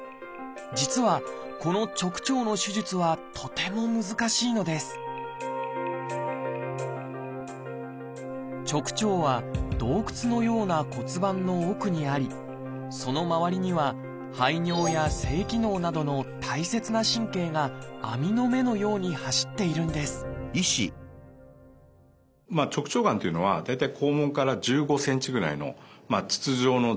実はこの直腸の手術はとても難しいのです直腸は洞窟のような骨盤の奥にありそのまわりには排尿や性機能などの大切な神経が網の目のように走っているんですそう和田さんがチョイスしたのはチョイス！